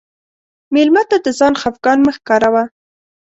مېلمه ته د ځان خفګان مه ښکاروه.